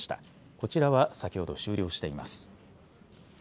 こちらは先ほど終了しています。